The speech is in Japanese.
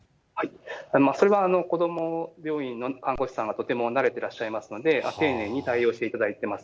それは子ども病院の看護師さんがとても慣れてらっしゃいますので、丁寧に対応していただいてます。